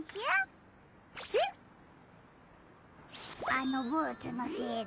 あのブーツのせいだ。